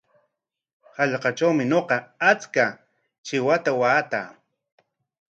Hallqatrawmi ñuqa achka chiwata waataa.